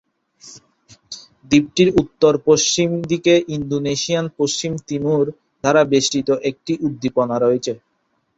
দ্বীপটির উত্তর-পশ্চিম দিকে ইন্দোনেশিয়ান পশ্চিম তিমুর দ্বারা বেষ্টিত একটি উদ্দীপনা রয়েছে।